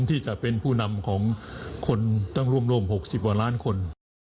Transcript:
ที่จะเป็นผู้นำของคนต้องร่วม๖๐กว่าล้านคน